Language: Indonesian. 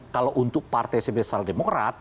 kalau untuk partai sebesar demokrat